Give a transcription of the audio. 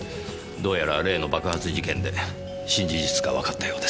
どうやら例の爆発事件で新事実がわかったようです。